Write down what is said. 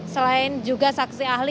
selain juga saksi ahli